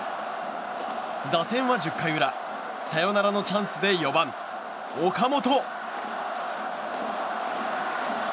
打線は１０回裏サヨナラのチャンスで４番、岡本。